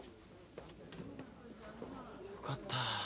よかった。